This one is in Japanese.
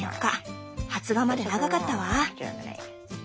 発芽まで長かったわ。